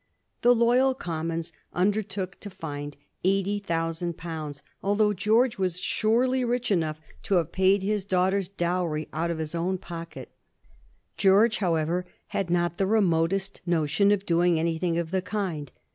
The loyal Commons under took to find eighty thousand pounds, although George was surely rich enough to have paid his daughter's dowry out 42 A BISTORT OF THE FOUR GEORGES. ch. zxiil of his own pocket. George, however, had not the remotest notion of doing anything of the kind.